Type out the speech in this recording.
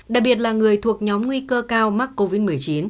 đặc biệt là người thuộc nhóm nguy cơ cao mắc covid một mươi chín